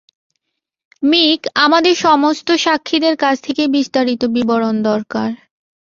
মিক, আমাদের সমস্ত সাক্ষীদের কাছ থেকে বিস্তারিত বিবরণ দরকার।